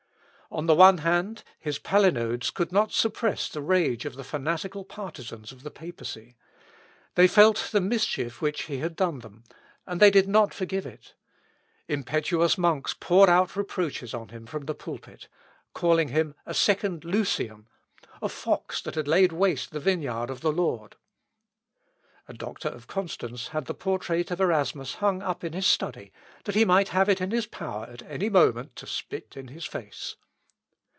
On the one hand, his palinodes could not suppress the rage of the fanatical partisans of the Papacy. They felt the mischief which he had done them, and they did not forgive it. Impetuous monks poured out reproaches on him from the pulpit, calling him a second Lucian, a fox, which had laid waste the vineyard of the Lord. A doctor of Constance had the portrait of Erasmus hung up in his study, that he might have it in his power at any moment to spit in his face.